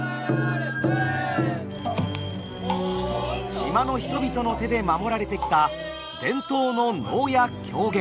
島の人々の手で守られてきた伝統の能や狂言。